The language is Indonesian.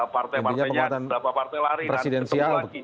partai partainya berapa partai lari kan